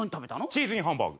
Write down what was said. チーズインハンバーグ。